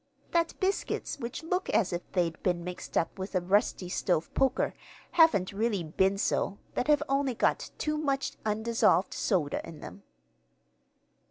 "That biscuits which look as if they'd been mixed up with a rusty stove poker haven't really been so, but have only got too much undissolved soda in them."